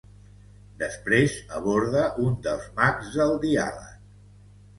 Després aborda un dels mags del diàleg.